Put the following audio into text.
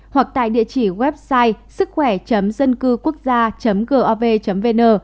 hoặc tại địa chỉ website sứckhoẻ dâncưquốcgia gov vn